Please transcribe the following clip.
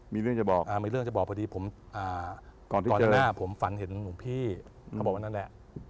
มีเรื่องจะบอกมีเรื่องจะบอกพอดีผมก่อนหน้าผมฝันเห็นหลวงพี่เขาบอกว่านั่นแหละ